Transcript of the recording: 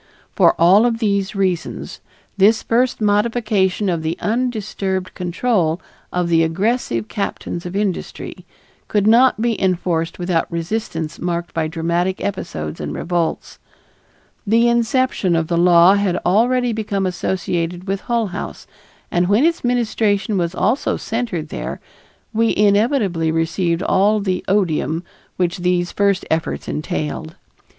For all of these reasons this first modification of the undisturbed control of the aggressive captains of industry could not be enforced without resistance marked by dramatic episodes and revolts. The inception of the law had already become associated with Hull House, and when its ministration was also centered there, we inevitably received all the odium which these first efforts entailed. Mrs.